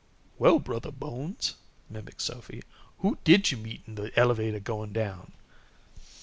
"Well, Brothah Bones," mimicked Sophy, "who did you meet in the elevator going down?"